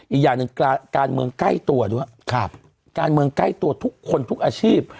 อีกอย่างหนึ่งการเมืองใกล้ตัวด้วยการเมืองใกล้ตัวทุกคนทุกอาชีพ